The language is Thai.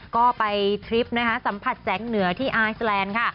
ก็ไปทริปนะคะสัมผัสแสงเหนือที่ไอซแลนด์ค่ะ